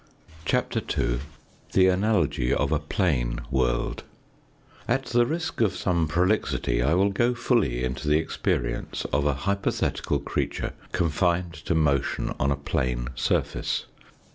CHAPTER II THE ANALOGY OF A PLANE WORLD AT the risk of some prolixity I will go fully into the experience of a hypothetical creature confined to motion on a plane surface.